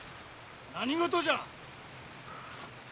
何事じゃ。